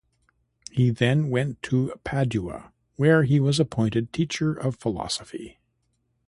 He then went to Padua where he was appointed teacher of philosophy.